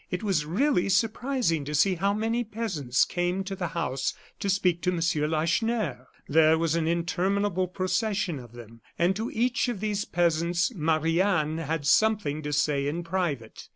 It was really surprising to see how many peasants came to the house to speak to M. Lacheneur. There was an interminable procession of them. And to each of these peasants Marie Anne had something to say in private.